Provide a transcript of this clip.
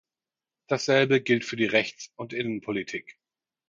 Dasselbe gilt für die Rechts- und Innenpolitik.